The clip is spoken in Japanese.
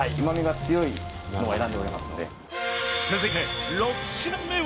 続いて５品目は。